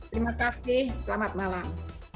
terima kasih selamat malam